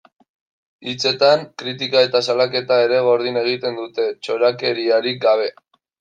Hitzetan, kritika eta salaketa ere gordin egiten dute, txorakeriarik gabe.